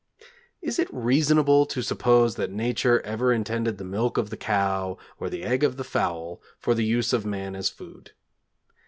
Is it reasonable to suppose that Nature ever intended the milk of the cow or the egg of the fowl for the use of man as food?